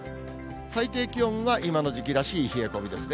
最低気温は今の時期らしい冷え込みですね。